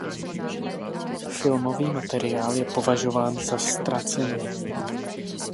Filmový materiál je považován za ztracený.